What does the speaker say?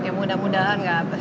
ya mudah mudahan ya